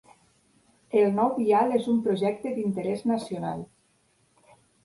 El nou vial és un projecte d'interès nacional.